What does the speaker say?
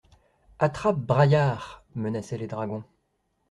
«Attrape, braillard !» menaçaient les dragons.